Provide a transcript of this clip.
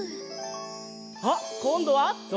あっこんどはぞうさん！